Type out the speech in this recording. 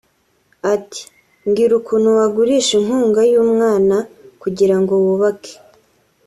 Ati “Mbwira ukuntu wagurisha inkunga y’umwana kugira ngo wubake